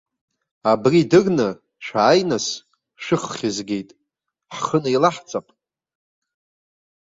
Абри дырны, шәааи нас, шәыххь згеит, ҳхы неилаҳҵап!